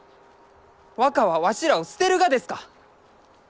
若はわしらを捨てるがですか？